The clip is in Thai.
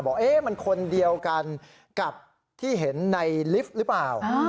บอกมันคนเดียวกันกับที่เห็นในลิฟต์หรือเปล่า